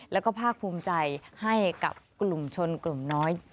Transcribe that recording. แล้วก็ภาคภูมิใจให้กับกลุ่มชนกลุ่มน้อย